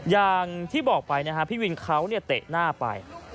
อย่างที่บอกไปนะฮะพี่วินเขาเตะหน้าไป